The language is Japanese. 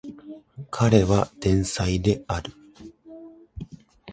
彼は天才である